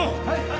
はい！